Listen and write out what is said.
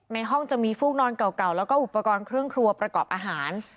ในห้องจะมีฟูกนอนเก่าแล้วก็อุปกรณ์เครื่องครัวประกอบอาหาร